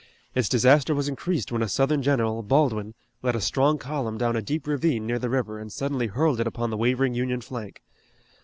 Its disaster was increased when a Southern general, Baldwin, led a strong column down a deep ravine near the river and suddenly hurled it upon the wavering Union flank.